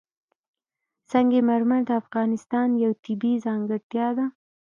سنگ مرمر د افغانستان یوه طبیعي ځانګړتیا ده.